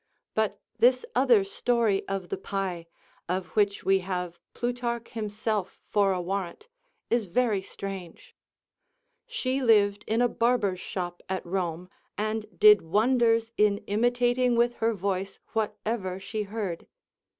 But this other story of the pie, of which we have Plutarch himself for a warrant, is very strange. She lived in a barber's shop at Rome, and did wonders in imitating with her voice whatever she heard.